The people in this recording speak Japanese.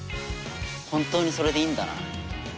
本当にそれでいいんだな？